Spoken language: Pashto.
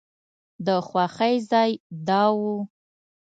د خوښۍ ځای دا و.